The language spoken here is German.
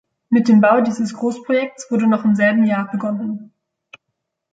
Mit dem Bau dieses Großprojektes wurde noch im selben Jahr begonnen.